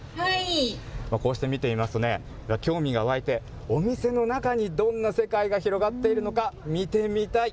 こうして見てみますとね、興味が湧いて、お店の中にどんな世界が広がっているのか見てみたい。